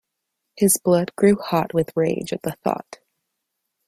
His blood grew hot with rage at the thought.